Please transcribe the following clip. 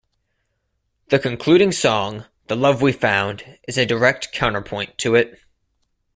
The concluding song, "The Love We Found", is a direct counterpoint to it.